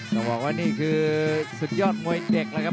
ต้องบอกว่านี่คือสุดยอดมวยเด็กแล้วครับ